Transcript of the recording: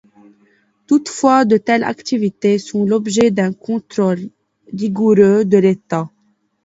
Toutefois, de telles activités sont l'objet d'un contrôle rigoureux de l'État.